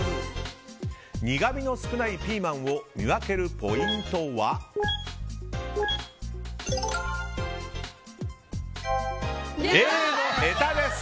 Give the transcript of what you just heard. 苦みの少ないピーマンを見分けるポイントはＡのへたです。